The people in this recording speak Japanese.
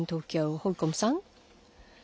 ホルコムさん。